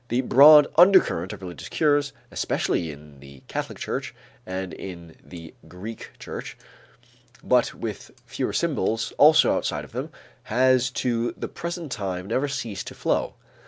The broad undercurrent of religious cures, especially in the Catholic Church and in the Greek Church, but with fewer symbols also outside of them, has up to the present time never ceased to flow.